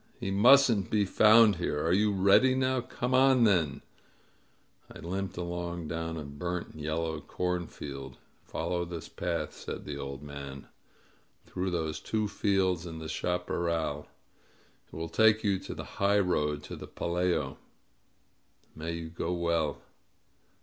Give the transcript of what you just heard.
He mustn't be found here! Are you ready now? Come on then !" I limped along down through a burnt, yellow corn field. "Follow this path," said the old man, "through those two fields and the chaparral. It will take you to the highroad to the Pelayo. May you go well!"